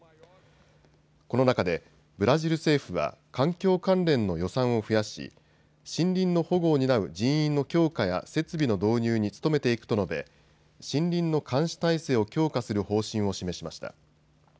この中でブラジル政府は、環境関連の予算を増やし森林の保護を担う人員の強化や設備の導入に努めていくと述べ森林の監視態勢を強化する方針を示しました。